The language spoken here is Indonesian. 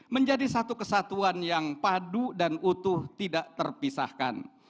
menjadi satu kesatuan yang padu dan utuh tidak terpisahkan